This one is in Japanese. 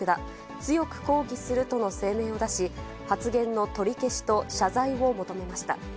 強く抗議するとの声明を出し、発言の取り消しと謝罪を求めました。